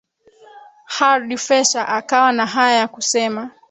Khardi Fessa akawa na haya ya kusema